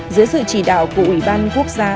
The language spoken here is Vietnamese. dưới sự chỉ đạo của ủy ban quốc gia